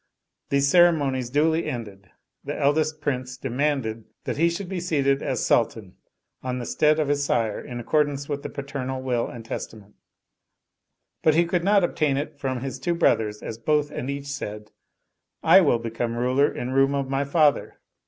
These ceremonies duly ended, the eldest Prince demanded that he should be seated as Sultan on the stead of his sire in accordance with the paternal will and testament; but he could not obtain it from his two brothers as both and each said, " I will become ruler in room of my father."